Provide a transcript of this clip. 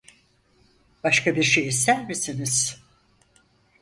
Başka bir şey ister misiniz?